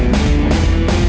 udah bocan mbak